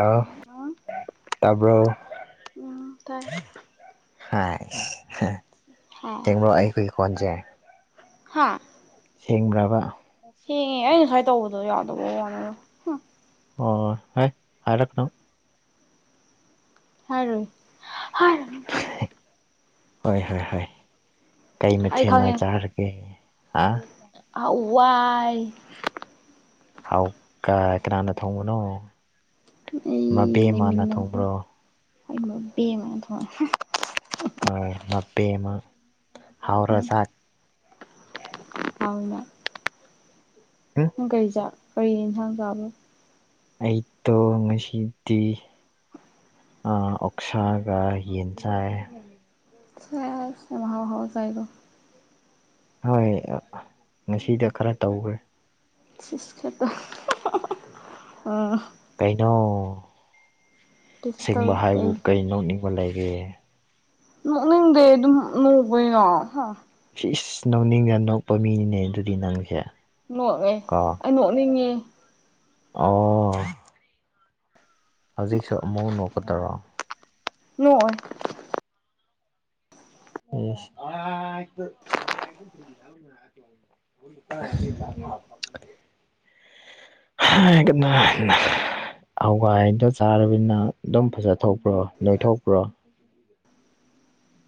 ꯍꯥꯎ ꯇꯥꯕ꯭ꯔꯣ ꯎꯝ ꯇꯥꯏ ꯍꯥꯏꯁ ꯍꯥ ꯍꯥ ꯇꯦꯡꯕ꯭ꯔꯣ ꯑꯩꯈꯣꯏꯒꯤ ꯀꯣꯟꯖꯦ? ꯍꯥ ꯁꯦꯡꯕ꯭ꯔꯕ ꯁꯦꯡꯉꯦ ꯑꯩ ꯉꯁꯥꯏ ꯇꯧꯕꯗꯣ ꯌꯥꯗꯕ ꯋꯟꯅꯦꯗ ꯑꯣ ꯍꯩ ꯍꯥꯏꯔꯛꯀꯅꯨ ꯍꯥꯏꯔꯣꯏ ꯍꯥꯏꯔꯅꯨ [unintelligible] ꯍꯣꯏ ꯍꯣꯏ ꯍꯣꯏ ꯀꯩ ꯑꯩ ꯃꯊꯦꯟ ꯅꯣꯏ ꯈꯪꯉꯦ ꯆꯥꯔꯒꯦ ꯍꯥ? ꯍꯧꯋꯥꯏ ꯍꯥꯎ ꯀꯥ ꯀꯅꯥꯅ ꯊꯣꯡꯕꯅꯣ? ꯑꯩ ꯃꯕꯦꯝꯃꯅ ꯂꯩꯃꯤꯟꯅꯕ ꯊꯣꯡꯕ꯭ꯔꯣ ꯍꯣꯏ ꯃꯕꯦꯝꯃꯅꯥ ꯊꯣꯡꯉꯦ [unintelligible] ꯍꯣꯏ ꯅꯕꯦꯝꯃꯥ ꯎꯝ ꯍꯥꯎꯅ ꯎꯝ ꯅꯪ ꯀꯔꯤ ꯆꯥ ꯀꯔꯤ ꯏꯟꯁꯥꯡ ꯆꯥꯕ꯭ꯔꯣ? ꯑꯩꯇꯣ ꯉꯁꯤꯗꯤ ꯑꯥ ꯑꯣꯛꯁꯥꯒ ꯌꯦꯟ ꯆꯥꯢꯌꯦ ꯁꯦꯁ ꯌꯥꯝ ꯍꯥꯎ ꯍꯥꯎ ꯆꯥꯏꯀꯣ ꯍꯣꯏ ꯑꯥ ꯑꯥ ꯉꯁꯤꯗꯣ ꯈꯔ ꯇꯧꯈ꯭ꯔꯦ ꯁꯤꯁ ꯈꯔ ꯇꯧ [unintelligible] ꯑꯥ ꯀꯩꯅꯣ ꯀꯩꯁꯨ ꯁꯦꯡꯕ ꯇꯧꯗꯦ ꯍꯥꯏꯕꯨ ꯑꯩ ꯀꯩ ꯅꯣꯛꯅꯤꯡꯕ ꯂꯩꯒꯦ? ꯅꯣꯛꯅꯤꯡꯗꯦ ꯑꯗꯨꯝ ꯅꯣꯛꯄꯅꯤꯅ ꯍꯥ ꯁꯤꯁ ꯅꯣꯛꯅꯤꯡꯗ ꯅꯣꯛꯄ ꯃꯤꯅꯤꯅꯦ ꯑꯗꯨꯗꯤ ꯅꯪꯁꯦ ꯅꯣꯛꯔꯦ ꯀꯣ ꯑꯩ ꯅꯣꯛꯅꯤꯡꯉꯦ ꯑꯣ ꯍꯧꯖꯤꯛꯁꯨ ꯑꯃꯨꯛ ꯅꯣꯛꯀꯗꯔꯣ? ꯅꯣꯛꯑꯣꯢ ꯏꯤꯁ ꯑꯥꯏꯇ ꯅꯪꯅꯩ ꯀꯨꯝ ꯄꯥꯔꯤ ꯔꯕꯝ ꯀꯨꯝꯅ ꯑꯇꯣꯡ [unintelligible] ꯍꯥꯏ ꯀꯠ [unintelligible] ꯍꯋꯥꯏꯗꯣ ꯆꯥꯔꯕꯅꯤꯅ ꯑꯗꯨꯝ ꯐꯖꯊꯣꯛꯄ꯭ꯔꯣ ꯅꯣꯏꯊꯣꯛꯄ꯭ꯔꯣ? [inaudible]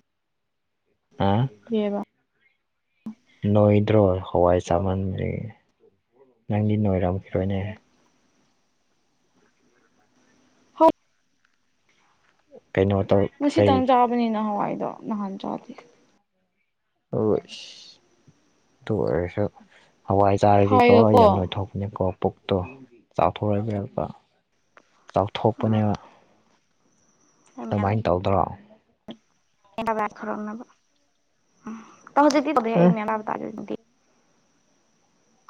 ꯑꯣ ꯀꯩꯌꯦꯕ ꯅꯣꯏꯗ꯭ꯔꯣ ꯍꯋꯥꯏ ꯆꯥꯃꯟꯕꯒꯤ ꯅꯪꯗꯤ ꯅꯣꯏꯔꯝꯈꯤꯔꯣꯏꯅꯦ [inaudible] ꯍꯣ ꯀꯩꯅꯣ ꯇꯧꯏ ꯉꯁꯤꯇꯪ ꯆꯥꯕꯅꯤꯅ ꯍꯋꯥꯏꯗꯣ ꯅꯍꯥꯟ ꯆꯥꯗꯦ ꯑꯣꯁ ꯑꯗꯨ ꯑꯣꯏꯔꯁꯨ ꯍꯋꯥꯏ ꯆꯥꯔꯗꯤꯀꯣ ꯌꯥꯝ ꯍꯋꯥꯏꯒꯀꯣ ꯅꯣꯏꯊꯣꯛ [unintelligible] ꯄꯨꯛꯇꯣ ꯆꯥꯊꯣꯛ [unintelligible] ꯎꯝ ꯆꯥꯎꯊꯣꯛꯄꯅꯦꯕ ꯑꯩ ꯃꯌꯥꯝ ꯑꯗꯨꯃꯥꯏ ꯇꯧꯗ꯭ꯔꯣ [unintelligible] ꯎꯝ [unintelligible]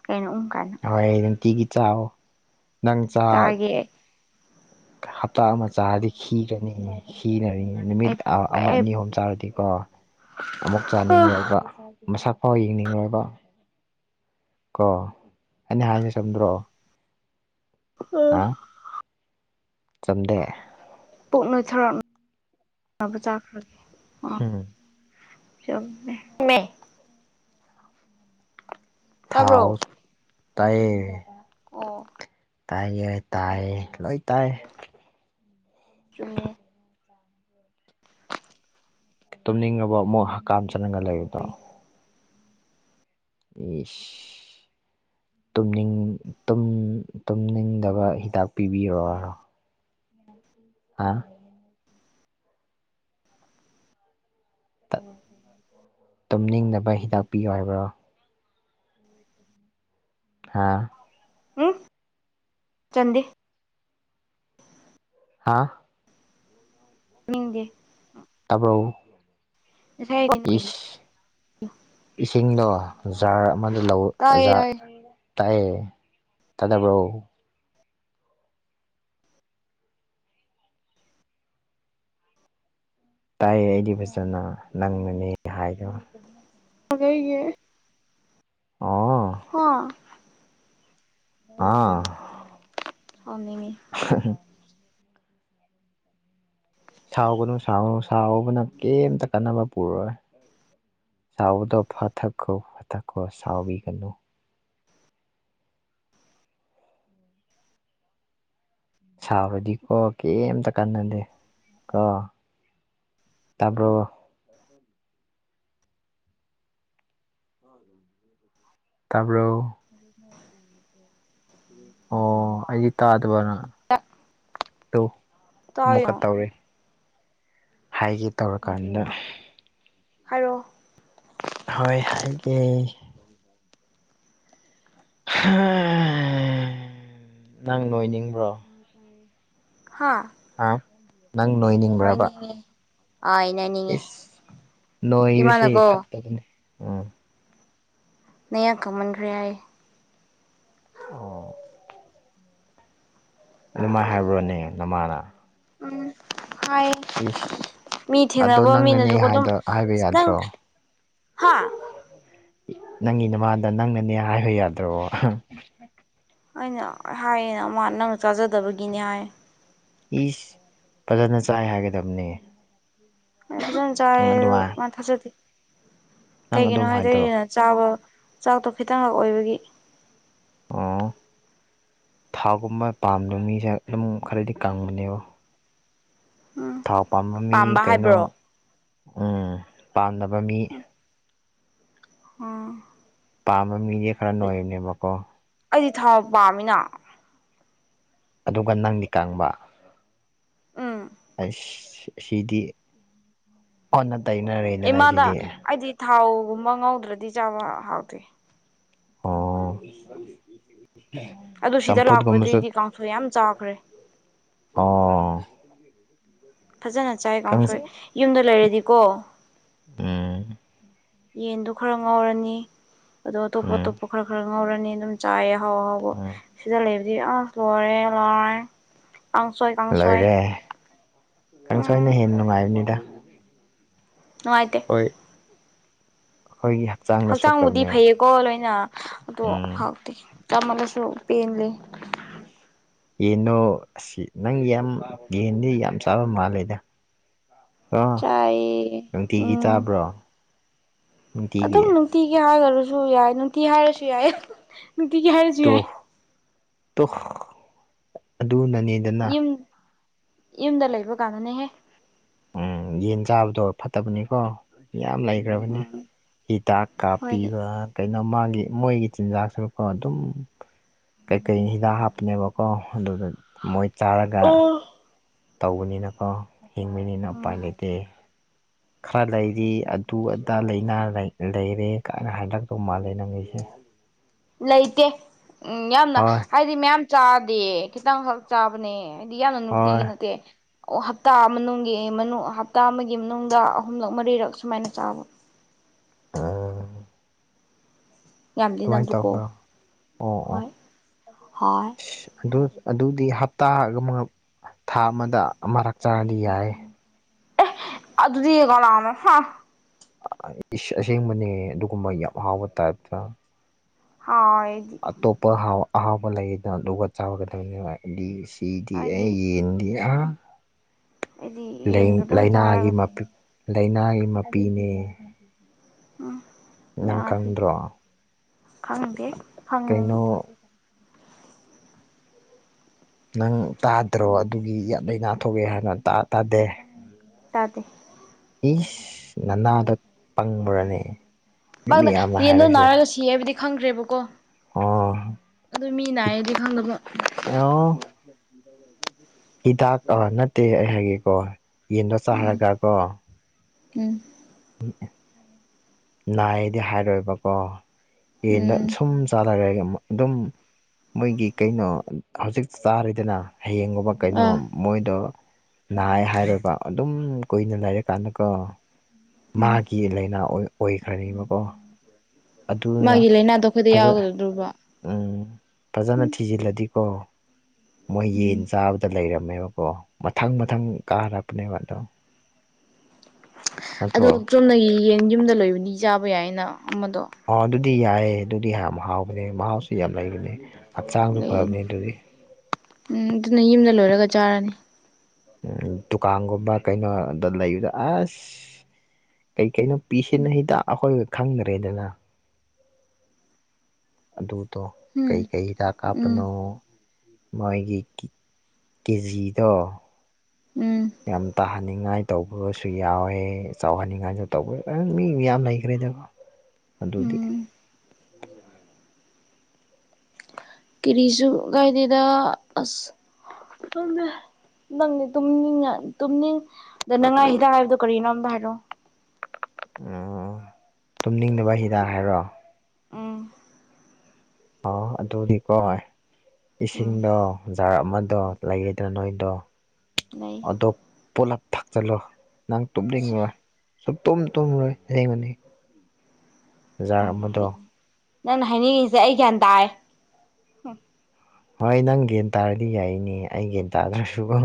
ꯀꯩꯅꯣ ꯎꯝ ꯀꯥꯏꯅ ꯍꯣꯏ ꯅꯨꯡꯇꯤꯒꯤ ꯆꯥꯋꯣ ꯅꯪ ꯆꯥ ꯆꯥꯒꯦ ꯍꯞꯇꯥ ꯑꯃ ꯆꯥꯔꯗꯤ ꯈꯤꯔꯅꯤꯍꯦ ꯁꯤꯅꯔꯤ ꯅꯨꯃꯤꯠ ꯑꯩ ꯑꯥ ꯑꯃ ꯑꯩ ꯑꯅꯤ ꯑꯍꯨꯝ ꯆꯥꯔꯗꯤꯀꯣ ꯑꯃꯨꯛ ꯆꯥꯅꯤꯡꯉꯣꯏꯕ ꯃꯁꯛ ꯐꯥꯎ ꯌꯦꯡꯅꯤꯡꯉꯣꯏꯕ ꯀꯣ ꯑꯩꯅ ꯍꯥꯏꯁꯦ ꯆꯨꯝꯗ꯭ꯔꯣ [unintelligible] ꯑꯥ ꯆꯨꯝꯗꯦ ꯄꯨꯨꯛ ꯅꯣꯏꯊꯣꯔꯛ ꯅꯕ ꯆꯥꯈ꯭ꯔꯒꯦ ꯑꯥ ꯍꯝ ꯆꯨꯝꯃꯦ ꯃꯦ ꯇꯥꯕ꯭ꯔꯣ ꯊꯥꯎ ꯇꯥꯏꯌꯦ ꯑꯣ ꯇꯥꯏꯌꯦ ꯇꯥꯏꯌꯦ ꯂꯣꯏ ꯇꯥꯏ ꯆꯨꯝꯃꯦ ꯇꯨꯝꯅꯤꯡꯉꯕꯣ ꯑꯃꯨꯛ ꯍꯀꯥꯝ ꯆꯟꯒꯠ ꯂꯛꯏꯗꯣ ꯢꯁ ꯇꯨꯝꯅꯤꯡ ꯇꯨꯝ ꯇꯨꯝꯅꯤꯡꯗꯕ ꯍꯤꯗꯥꯛ ꯄꯤꯕꯤꯌꯣꯔ ꯍꯥꯥ ꯇꯨꯝꯅꯤꯡꯅꯕ ꯍꯤꯗꯥꯛꯄꯤꯌꯣ ꯍꯥꯏꯕ꯭ꯔꯣ [inaudible] ꯍꯥꯥ ꯎꯝ ꯆꯟꯗꯦ ꯍꯥꯥ ꯅꯤꯡꯗꯦ ꯇꯥꯕ꯭ꯔꯣ ꯉꯁꯥꯏ ꯏꯁ ꯏꯁꯤꯡꯗꯣ ꯖꯥꯔ ꯑꯃꯗ ꯂꯧ ꯇꯥꯏꯌꯦ ꯖꯥꯔ ꯇꯥꯏꯌꯦ ꯇꯥꯏꯌꯦ ꯇꯥꯗꯕ꯭ꯔꯣ ꯇꯥꯏꯌꯦ ꯑꯩꯗꯤ ꯐꯖꯅ ꯅꯪꯅꯅꯦ ꯍꯥꯏꯗꯣ [unintelligible] ꯑꯣ ꯍꯣ ꯑꯥ ꯍꯥꯎꯃꯦꯅꯤ [inaudible] ꯁꯥꯎꯒꯅꯨ ꯁꯥꯎ ꯁꯥꯎꯕꯅ ꯀꯦꯝꯇ ꯀꯥꯟꯅꯕ ꯄꯨꯔꯛꯑꯣꯏ ꯁꯥꯎꯕꯗꯣ ꯐꯥꯊꯈꯣ ꯐꯥꯊꯈꯣ ꯁꯥꯎꯕꯤꯒꯅꯨ ꯁꯥꯕꯗꯤ ꯀꯣ ꯀꯦꯝꯇ ꯀꯥꯟꯅꯗꯦ ꯀꯣ ꯇꯥꯕ꯭ꯔꯣ [unintelligible] ꯇꯥꯕ꯭ꯔꯣ [unintelligible] ꯑꯣ ꯑꯩꯗꯤ ꯇꯥꯗꯕꯔ ꯇꯨ ꯃꯨꯛꯀ ꯇꯥꯏꯅꯣ ꯇꯧꯔꯦ ꯍꯥꯏꯒꯦ ꯇꯧꯔꯀꯥꯟꯗ ꯍꯥꯏꯔꯣ ꯍꯣꯏ ꯍꯥꯏꯒꯦ ꯅꯪ ꯂꯣꯏꯅꯤꯡꯕ꯭ꯔꯣ ꯍꯥꯥ ꯍꯥ ꯅꯪ ꯅꯣꯏꯅꯤꯡꯕ꯭ꯔꯕ ꯑꯥꯏ ꯅꯣꯢꯅꯤꯡꯉꯦ ꯏꯁ ꯅꯣꯏꯕꯁꯤ ꯏꯃꯥꯅꯀꯣ ꯐꯠꯇꯕꯅꯦ ꯎꯝ ꯅꯌꯥꯡ ꯀꯪꯃꯟꯈ꯭ꯔꯦ ꯍꯥꯢꯌꯦ ꯑꯣ ꯑꯗꯨꯃꯥꯏ ꯍꯥꯏꯕ꯭ꯔꯣꯅꯦ ꯅꯃꯥꯅ ꯎꯝ ꯍꯥꯏꯌꯦ ꯏꯁ ꯃꯤ ꯑꯗꯣ ꯊꯦꯡꯅꯕ ꯅꯪꯅꯅꯦ ꯃꯤꯅꯖꯨꯀꯣ ꯗꯨꯝ ꯍꯥꯏꯗ ꯍꯥꯏꯕ ꯅꯪ ꯌꯥꯗ꯭ꯔꯣ ꯊꯥꯏ ꯍꯥꯥ ꯅꯪꯉꯤ ꯅꯃꯥꯗ ꯅꯪꯅꯅꯦ ꯍꯥꯏꯕ ꯌꯥꯗ꯭ꯔꯣ ꯑꯩꯅ ꯍꯥꯏꯌꯦꯅ ꯃꯥ ꯅꯪꯅ ꯆꯥꯖꯗꯕꯒꯤꯅꯦ ꯍꯥꯏꯌꯦ ꯏꯁ ꯐꯖꯅ ꯆꯥꯏ ꯍꯥꯏꯒꯗꯕꯅꯦ ꯑꯩ ꯐꯖꯅ ꯆꯥꯏꯌꯦ ꯅꯪ ꯑꯗꯨ ꯑꯗꯨꯃꯥꯏ ꯃꯥ ꯊꯥꯖꯗꯦ ꯅꯪ ꯀꯩꯒꯤꯅꯣ ꯑꯗꯨꯝ ꯍꯥꯏꯗꯤ ꯍꯥꯏꯗ꯭ꯔꯣ ꯑꯩꯅ ꯆꯥꯕ ꯆꯥꯛꯇꯣ ꯈꯤꯇꯪꯪꯉꯛ ꯑꯣꯏꯕꯒꯤ ꯑꯣ ꯊꯥꯎꯒꯨꯝꯕ ꯄꯥꯝꯗꯕ ꯃꯤꯖꯦ ꯑꯗꯨꯝ ꯈꯔꯗꯤ ꯀꯪꯕꯅꯦꯕꯣ ꯎꯝ ꯊꯥꯎ ꯄꯥꯝꯕ ꯃꯤ ꯀꯩꯅꯣ ꯎꯝ ꯄꯥꯝꯗꯕ ꯃꯤ ꯑꯣ ꯄꯥꯝꯕ ꯃꯤꯗꯤ ꯈꯔ ꯅꯣꯏꯕꯅꯦꯕꯀꯣ ꯑꯩꯗꯤ ꯊꯥꯎ ꯄꯥꯝꯃꯤꯅ ꯑꯗꯨꯒ ꯅꯪꯗꯤ ꯀꯪꯕ ꯎꯝ ꯑꯩꯁ ꯑꯁꯤꯗꯤ ꯑꯣꯟꯅ ꯇꯩꯅꯔꯦꯗꯅ ꯏꯃꯥꯗ ꯁꯤꯗꯤ ꯑꯩꯗꯤ ꯊꯥꯎꯒꯨꯝꯕ ꯉꯧꯗ꯭ꯔꯗꯤ ꯆꯥꯕ ꯍꯥꯎꯇꯦ ꯑꯣ [unintelligible] ꯑꯗꯨ ꯁꯤꯗ ꯆꯝꯐꯨꯠꯒꯨꯝꯕꯁꯨ ꯂꯥꯛꯄꯗꯩꯗꯤ ꯀꯥꯡꯁꯣꯏ ꯌꯥꯝ ꯆꯥꯈ꯭ꯔꯦ ꯑꯣ ꯐꯖꯅ ꯆꯥꯏ ꯀꯥꯡꯁꯣꯏ ꯀꯥꯡꯁ ꯌꯨꯝꯗ ꯂꯩꯔꯗꯤꯀꯣ ꯎꯝ ꯌꯦꯟꯗꯣ ꯈꯔ ꯉꯧꯔꯅꯤ ꯑꯗꯣ ꯑꯇꯣꯞꯄ ꯎꯝ ꯑꯇꯣꯞꯄ ꯈꯔ ꯈꯔ ꯉꯧꯔꯅꯤ ꯑꯗꯨꯝ ꯆꯥꯏꯌꯦ ꯑꯍꯥꯎ ꯑꯍꯥꯎ ꯕꯣ ꯎꯝ ꯁꯤꯗ ꯂꯩꯔꯗꯤ ꯑ ꯂꯣꯏꯔꯦ ꯂꯣꯏꯔꯦ ꯀꯥꯡꯁꯣꯏꯒ ꯂꯣꯏꯔꯦ ꯎꯝ ꯀꯥꯡꯁꯣꯏꯅ ꯍꯦꯟꯅ ꯅꯨꯉꯥꯏꯕꯅꯤꯗ ꯅꯨꯉꯥꯏꯇꯦ ꯍꯣꯏ ꯑꯈꯣꯏꯒꯤ ꯍꯛꯆꯥꯡꯕꯨꯗꯤ ꯐꯩꯌꯦꯀꯣ ꯂꯣꯏꯅ ꯑꯗꯣ ꯎꯝ ꯍꯥꯎꯇꯦ ꯆꯥꯃꯜꯂꯁꯨ ꯄꯦꯟꯂꯦ ꯌꯦꯅꯣ ꯑꯁꯤ ꯅꯪ ꯌꯥꯝ ꯌꯦꯟꯗꯤ ꯌꯥꯝ ꯆꯥꯕ ꯃꯥꯜꯂꯦꯗ ꯑꯥ ꯆꯥꯏꯌꯦ ꯅꯨꯡꯇꯤꯒꯤ ꯎꯝ ꯆꯥꯕ꯭ꯔꯣ ꯅꯨꯡꯇꯤꯒꯤ ꯑꯗꯨꯝ ꯅꯨꯡꯇꯤꯒꯤ ꯍꯥꯏꯈ꯭ꯔꯁꯨ ꯌꯥꯏ ꯅꯨꯡꯇꯤ ꯍꯥꯏꯔꯁꯨ ꯌꯥꯏ ꯅꯨꯡꯇꯤꯒꯤ ꯍꯥꯏꯔꯁꯨ ꯇꯨ ꯌꯥꯏ ꯇꯨ ꯑꯗꯨꯅꯅꯦ ꯌꯨꯝ ꯌꯨꯝꯗ ꯂꯩꯕ ꯀꯥꯟꯗꯅꯦꯍꯦ ꯎꯝ ꯌꯦꯟ ꯆꯥꯕꯗꯣ ꯐꯠꯇꯕꯅꯤꯀꯣ ꯌꯥꯝ ꯂꯩ ꯈ꯭ꯔꯕꯅꯤ ꯎꯝ ꯍꯤꯗꯥꯛ ꯍꯣꯏ ꯀꯥꯞꯄꯤꯕ ꯀꯩꯅꯣ ꯃꯥꯒꯤ ꯃꯣꯏꯒꯤ ꯆꯤꯟꯖꯥꯛꯇꯣꯀꯣ ꯑꯗꯨꯝ ꯀꯩꯀꯩ ꯍꯤꯗꯥꯛ ꯍꯥꯞꯄꯅꯦꯕ ꯀꯣ ꯑꯗꯨꯗ ꯃꯣꯏ ꯆꯥꯔꯒ ꯑꯣ ꯇꯧꯕꯅꯤꯅꯀꯣ ꯍꯤꯡꯕꯅꯤꯅ ꯎꯝ ꯎꯄꯥꯏ ꯂꯩꯇꯦ ꯈꯔ ꯂꯩꯗꯤ ꯑꯗꯨ ꯑꯗꯥ ꯂꯥꯏꯅꯥ ꯂꯩꯔꯦ ꯀꯥꯏꯅ ꯍꯥꯏꯔꯛꯇꯧ ꯃꯥꯜꯂꯦ ꯅꯪ ꯑꯩꯁꯦ ꯂꯩꯇꯦ ꯎꯝ ꯌꯥꯝꯅ ꯍꯣꯏ ꯍꯥꯏꯗꯤ ꯃꯌꯥꯝ ꯆꯥꯗꯦ ꯈꯤꯇꯪꯈꯛ ꯆꯥꯕꯅꯦ ꯍꯥꯏꯗꯤ ꯌꯥꯝꯅ ꯅꯨꯡꯇꯤꯒꯤ ꯍꯣꯏ ꯅꯠꯇꯦ ꯑꯣ ꯍꯞꯇꯥ ꯃꯅꯨꯡꯒꯤ ꯃꯅꯨꯡ ꯍꯞꯇꯥ ꯑꯃꯒꯤ ꯃꯅꯨꯡꯗ ꯑꯍꯨꯝꯂꯛ ꯃꯔꯤꯔꯛ ꯁꯨꯃꯥꯏꯅ ꯆꯥꯕ ꯑꯗꯨꯃꯥꯏꯅ ꯌꯥꯝꯗꯤ ꯑꯗꯨꯃꯥꯏꯅ ꯅꯝꯗꯨꯀꯣ ꯇꯧꯕ꯭ꯔꯣ ꯑꯣ ꯑꯣ ꯍꯣꯏ ꯍꯣꯏ ꯑꯗꯨ ꯑꯗꯨꯗꯤ ꯍꯞꯇꯥ ꯔꯣꯝ ꯊꯥ ꯑꯃꯗ ꯑꯃꯔꯛ ꯆꯥꯔꯗꯤ ꯌꯥꯏ ꯑꯗꯨꯗꯤ ꯀꯥꯅꯅ ꯍꯥ ꯏꯁ ꯑꯁꯦꯡꯕꯅꯦ ꯑꯗꯨꯒꯨꯝꯕ ꯌꯥꯝ ꯍꯥꯎꯕ ꯇꯥꯏꯞꯇ ꯍꯣꯏ ꯑꯇꯣꯞꯄ ꯑꯍꯥꯎꯕ ꯂꯩꯗꯅ ꯑꯗꯨꯒ ꯆꯥꯔꯒꯗꯕꯅꯦꯕ ꯑꯗꯨ ꯁꯤꯗꯤꯑꯦ ꯑꯩꯗꯤ ꯌꯦꯟꯗꯤ ꯍꯥ ꯑꯩꯗꯤ ꯂꯩ ꯌꯦꯟꯒ ꯑꯗꯨꯝ ꯂꯩꯅꯥꯒꯤ ꯆꯥꯔꯒ ꯃꯄꯤ ꯂꯥꯏꯅꯥꯒꯤ ꯃꯄꯤꯅꯦ ꯎꯝ ꯅꯪ ꯌꯥꯗꯦ ꯈꯪꯗ꯭ꯔꯣ ꯐꯖꯅ ꯈꯪꯗꯦ ꯀꯩꯅꯣ ꯈꯪꯗꯦ ꯅꯪ ꯇꯥꯗ꯭ꯔꯣ ꯑꯗꯨꯒꯤ ꯌꯥꯝ ꯂꯩꯅꯥ ꯊꯣꯛꯑꯦ ꯍꯥꯏꯅ ꯇꯥ ꯇꯥꯗꯦ ꯇꯥꯗꯦ ꯏꯁ ꯅꯅꯥꯗꯣ ꯄꯪꯕ꯭ꯔꯅꯦ ꯃꯤ ꯃꯪꯗ ꯃꯌꯥꯝꯅ ꯌꯦꯟꯗꯣ ꯍꯥꯏꯔꯤꯁꯦ ꯅꯥꯔꯒ ꯁꯤ ꯁꯤ ꯍꯥꯏꯕꯗꯤ ꯈꯪꯗ꯭ꯔꯦꯕꯀꯣ ꯑꯣ ꯑꯗꯨ ꯃꯤ ꯅꯥꯏꯌꯦꯗꯤ ꯈꯪꯗꯕ [unintelligible] [inaudible] ꯍꯤꯗꯥꯛ ꯅꯠꯇꯦ ꯑꯩ ꯍꯥꯏꯒꯦꯀꯣ ꯌꯦꯟꯗꯣ ꯎꯝ ꯆꯥꯔꯒ ꯀꯣ ꯎꯝ [unintelligible] ꯅꯥꯏꯗꯤ ꯍꯥꯏꯔꯣꯏꯕꯀꯣ ꯌꯦꯟꯗꯣ ꯎꯝ ꯁꯨꯝ ꯆꯥꯔꯒ ꯑꯗꯨꯝ ꯃꯣꯏꯒꯤ ꯀꯩꯅꯣ ꯍꯧꯖꯤꯛ ꯆꯥꯔꯦꯗꯅ ꯍꯌꯦꯡꯒꯨꯝꯕ ꯀꯩꯅꯣ ꯑꯥ ꯃꯣꯏꯗꯣ ꯅꯥꯏ ꯍꯥꯏꯔꯦꯕ ꯑꯗꯨꯝ ꯀꯨꯏꯅ ꯂꯩꯔꯀꯥꯟꯗꯀꯣ ꯎꯝ ꯃꯥꯒꯤ ꯂꯥꯏꯅꯥ ꯑꯣꯏ ꯑꯣꯏꯈ꯭ꯔꯅꯤꯕꯀꯣ ꯑꯗꯨꯅ ꯃꯥꯒꯤ ꯂꯥꯏꯅꯥꯗꯣ ꯑꯩꯈꯣꯏꯗ ꯐꯖꯅ ꯌꯥꯎꯒꯗ꯭ꯔꯣꯕ ꯎꯝ ꯐꯖꯅ ꯎꯝ ꯊꯤꯖꯤꯜꯂꯗꯤꯀꯣ ꯃꯣꯏ ꯌꯦꯟ ꯎꯝ ꯆꯥꯕ ꯇꯥ ꯂꯩꯔꯝꯃꯦꯕꯀꯣ ꯃꯊꯪ ꯃꯊꯪ ꯀꯥꯔꯛꯄꯅꯦꯕ ꯑꯗꯣ ꯑꯗꯣ ꯅꯠꯇ꯭ꯔꯣ ꯆꯨꯝꯅꯒꯤ ꯌꯦꯟ ꯌꯨꯝꯗ ꯂꯣꯏꯕꯅꯤ ꯆꯥꯕ ꯌꯥꯏꯅ ꯑꯃꯥꯗꯣ ꯑꯣ ꯑꯗꯨꯗꯤ ꯌꯥꯏꯑꯦ ꯑꯗꯨꯗꯤ ꯌꯥꯝ ꯍꯥꯎꯕꯅꯦ ꯃꯍꯥꯎꯁꯨ ꯌꯥꯝ ꯂꯩꯕꯅꯦ ꯍꯛꯆꯥꯡꯁꯨ ꯂꯩꯅꯤ ꯐꯕꯅꯦ ꯑꯗꯨꯗꯤ ꯎꯝ ꯗꯨꯅ ꯌꯨꯝꯗ ꯂꯣꯏꯔꯒ ꯆꯥꯔꯅꯤ ꯎꯝ ꯗꯨꯀꯥꯟꯒꯨꯝꯕ ꯀꯩꯅꯣ ꯗ ꯂꯩꯕꯗ ꯑꯁ ꯀꯩ ꯀꯩꯅꯣ ꯄꯤꯁꯤꯟ ꯂꯛꯏꯗ ꯑꯩꯈꯣꯏꯒ ꯈꯪꯗꯔꯦꯗꯅ ꯑꯗꯨꯗꯣ ꯎꯝ ꯀꯩꯀꯩ ꯍꯤꯗꯥꯛ ꯎꯝ ꯀꯥꯞꯄꯅꯣ ꯃꯣꯏꯒꯤ ꯀꯤ ꯀꯦꯖꯤꯗꯣ ꯎꯝ ꯌꯥꯝ ꯇꯥꯍꯟꯅꯤꯡꯉꯥꯏ ꯇꯧꯕ꯭ꯔꯣꯁꯨ ꯌꯥꯎꯋꯦ ꯆꯥꯎꯍꯟꯅꯤꯡꯉꯥꯏꯁꯨ ꯇꯧꯕ ꯑꯥ ꯃꯤ ꯃꯤꯌꯥꯝ ꯂꯩꯈ꯭ꯔꯦꯗ ꯑꯗꯨꯗꯤ ꯎꯝ ꯀꯔꯤꯁꯨ ꯀꯥꯏꯗꯦꯗ ꯑꯁ ꯇꯨꯝꯃꯦ ꯅꯪꯅ ꯇꯨꯝꯅꯤꯡꯅ ꯇꯨꯝꯅꯤꯡ ꯗꯥꯅꯉꯥꯏ ꯍꯤꯗꯥꯛ ꯍꯥꯏꯕꯗꯣ ꯀꯔꯤꯅꯣ ꯑꯝꯇ ꯍꯥꯏꯔꯛꯑꯣ ꯑꯣ ꯇꯨꯝꯅꯤꯡꯗꯕ ꯍꯤꯗꯥꯛ ꯍꯥꯏꯔꯣ ꯎꯝ ꯑꯣ ꯑꯗꯨꯗꯤ ꯀꯣꯏ ꯏꯁꯤꯡꯗꯣ ꯖꯥꯔ ꯑꯃꯥꯗꯣ ꯂꯩꯌꯦꯗꯣ ꯅꯣꯏꯗꯣ ꯂꯩ ꯑꯗꯣꯞ ꯄꯣꯂꯞ ꯐꯛꯆꯜꯂꯣ ꯅꯪ ꯇꯨꯝꯅꯤꯡꯉꯣꯏ ꯁꯨꯛꯇꯨꯝ ꯇꯨꯝꯔꯣꯏ [unintelligible] ꯖꯥꯔ ꯑꯃꯥꯗꯣ ꯅꯪꯅ ꯍꯥꯏꯅꯤꯡꯉꯤꯁꯦ ꯑꯩ ꯒ꯭ꯌꯥꯟ ꯇꯥꯏ ꯍꯣꯏ ꯅꯪ ꯒꯦꯟ ꯇꯥꯔꯗꯤ ꯌꯥꯏꯅꯦ ꯑꯩ ꯒꯦꯟ ꯇꯥꯗ꯭ꯔꯁꯨꯒꯣ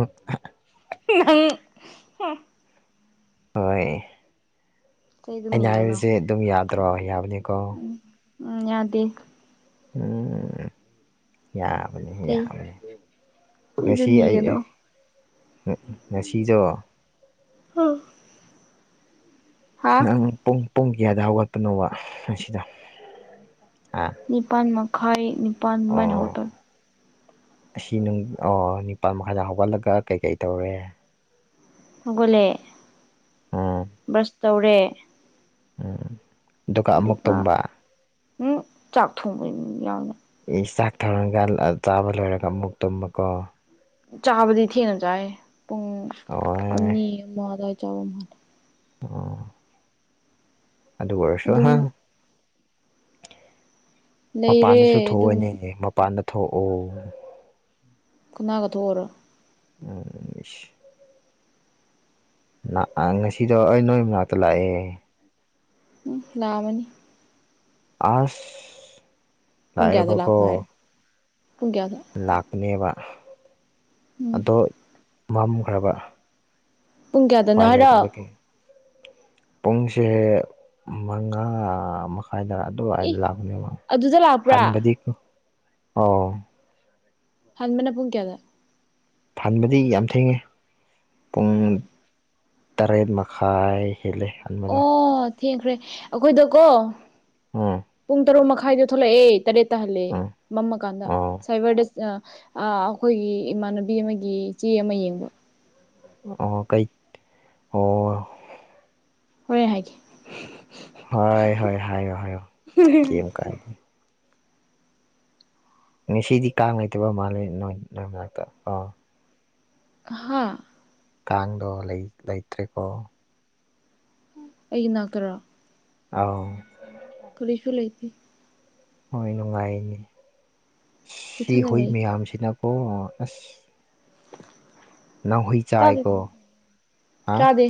ꯅꯪ ꯍꯥ ꯍꯣꯏ ꯆꯩꯗꯨ ꯑꯩꯅ ꯅꯤꯒꯅꯣ ꯍꯥꯏꯔꯤꯁꯦ ꯑꯗꯨꯝ ꯌꯥꯗ꯭ꯔꯣ ꯌꯥꯕꯅꯤꯀꯣ ꯎꯝ ꯌꯥꯗꯦ [unintelligible] ꯌꯥꯕꯅꯤꯍꯦ ꯆꯩ ꯌꯥꯕꯅꯤ ꯅꯤꯗ ꯉꯁꯤ ꯑꯩ ꯑꯦ ꯅꯤꯒꯅꯣ ꯍꯣ ꯉꯁꯤꯗꯣ ꯍꯥ ꯅꯪ ꯄꯨꯡ ꯄꯨꯡ ꯀꯌꯥꯗ ꯍꯧꯒꯠꯄꯅꯣꯕ ꯉꯁꯤꯗꯣ ꯍꯥ ꯅꯤꯄꯥꯟ ꯃꯈꯥꯏ ꯅꯤꯄꯥꯟ ꯃꯥꯏꯅ ꯍꯧꯒꯠꯄꯟ ꯑꯁꯤ ꯅꯨꯡ ꯑꯣ ꯅꯤꯄꯥꯟ ꯃꯈꯥꯏꯗ ꯍꯧꯒꯠꯂꯒ ꯀꯩꯀꯩ ꯇꯧꯋꯦ ꯍꯧꯒꯠꯂꯦ ꯎꯝ ꯕ꯭ꯔꯁ ꯇꯧꯔꯦ ꯎꯝ ꯑꯃꯨꯛ ꯑꯗꯨꯒ ꯇꯨꯝꯕ ꯍꯨꯝ ꯆꯥꯛ ꯊꯣꯡꯕ [unintelligible] ꯏꯁ ꯆꯥꯛ ꯊꯣꯡꯔꯒꯥꯂ ꯑꯥ ꯆꯥꯕ ꯂꯣꯏꯔꯒ ꯑꯃꯨꯛ ꯇꯨꯝꯕꯀꯣ ꯆꯥꯕꯗꯤ ꯊꯦꯡꯅ ꯆꯥꯌꯦ ꯄꯨꯡ ꯑꯣ ꯑꯅꯤ [unintelligible] ꯑꯣ ꯑꯗꯨ ꯑꯣꯏꯔꯁꯨ ꯑꯗꯨꯝ ꯍꯪ ꯂꯩꯔꯦ ꯃꯄꯥꯟꯗꯁꯨ ꯑꯗꯨꯝ ꯊꯣꯛꯑꯣꯏꯅꯦꯍꯦ ꯃꯄꯥꯟꯗ ꯊꯣꯛꯑꯣ ꯀꯅꯥꯒ ꯊꯣꯛꯑꯣꯔ ꯎꯝ ꯏꯁ ꯂꯥꯛꯑꯥ ꯉꯁꯤꯗꯣ ꯑꯩ ꯅꯣꯏ ꯃꯅꯥꯛꯇ ꯂꯥꯛꯑꯦ ꯍꯝ ꯂꯥꯛꯑꯃꯅꯤ ꯑꯁ ꯄꯨꯡ ꯀꯌꯥꯗ ꯂꯥꯛꯄ ꯍꯥꯏ ꯂꯥꯛꯑꯦꯕꯀꯣ ꯄꯨꯨꯡ ꯀꯌꯥꯗ ꯂꯥꯛꯄꯅꯦꯕ ꯎꯝ ꯑꯗꯣ ꯃꯝꯈ꯭ꯔꯕ ꯄꯨꯡ ꯀꯌꯥꯗꯅꯣ ꯄꯥꯏ ꯍꯥꯏꯔꯣ ꯂꯩꯇꯕ ꯀꯤ ꯄꯨꯡꯁꯦ ꯃꯉꯥ ꯃꯈꯥꯏꯗ ꯏ ꯑꯗꯨꯗ [unintelligible] ꯂꯥꯛꯄ꯭ꯔꯥ ꯍꯟꯕꯗꯤ ꯑꯣ ꯍꯥꯟꯕꯅ ꯄꯨꯡ ꯀꯌꯥꯗ ꯍꯥꯟꯕꯗꯤ ꯌꯥꯝ ꯊꯦꯡꯉꯦ ꯄꯨꯡ ꯇꯔꯦꯠ ꯃꯈꯥꯏ ꯍꯦꯜꯂꯦ ꯍꯟꯕꯗꯣ ꯑꯣ ꯊꯦꯡꯈ꯭ꯔꯦ ꯑꯩꯈꯣꯏꯗꯣ ꯀꯣ ꯎꯝ ꯄꯨꯡ ꯇꯔꯨꯛ ꯃꯈꯥꯏꯗ ꯊꯣꯛꯂꯛꯑꯦ ꯇꯔꯦꯠꯇ ꯍꯜꯂꯦ ꯎꯝ ꯃꯝꯃ ꯀꯥꯟꯗ ꯑꯣ ꯁꯥꯏꯕꯔꯗ ꯑꯥ ꯑꯩꯈꯣꯏꯒꯤ ꯏꯃꯥꯟꯅꯕꯤ ꯑꯃꯒꯤ ꯆꯦ ꯑꯃ ꯌꯦꯡꯕ ꯑꯣ ꯀꯩ ꯑꯣ ꯍꯣꯔꯦꯟ ꯍꯥꯏꯒꯦ ꯍꯣꯏ ꯍꯣꯏ ꯍꯥꯏꯌꯣ ꯍꯥꯏꯌꯣ ꯀꯩꯌꯤꯝ ꯀꯥꯏꯗꯦ ꯉꯁꯤꯗꯤ ꯀꯥꯡ ꯂꯩꯇꯕ ꯃꯥꯜꯂꯦ ꯅꯣꯏ ꯅꯣꯏꯅꯥꯛꯇ ꯀꯣ ꯍꯥꯥ ꯀꯥꯡꯗꯣ ꯂꯩ ꯂꯩꯇ꯭ꯔꯦꯀꯣ ꯑꯩꯒꯤ ꯅꯥꯛꯇꯔꯥ ꯑꯧ ꯀꯔꯤꯁꯨ ꯂꯩꯇꯦ ꯍꯣꯏ ꯅꯨꯡꯉꯥꯏꯅꯦ ꯁꯤ ꯏꯊꯟꯗ ꯍꯨꯏ ꯂꯩ ꯃꯌꯥꯝꯁꯤꯅꯀꯣ ꯑꯁ ꯅꯪ ꯍꯨꯏ ꯆꯥꯏ ꯇꯥꯗꯦ ꯀꯣ ꯍꯥꯥ ꯇꯥꯗꯦ